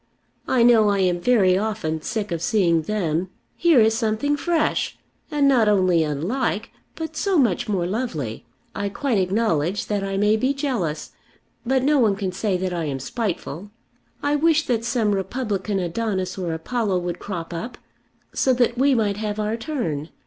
I know I am very often sick of seeing them. Here is something fresh, and not only unlike, but so much more lovely. I quite acknowledge that I may be jealous, but no one can say that I am spiteful. I wish that some republican Adonis or Apollo would crop up, so that we might have our turn.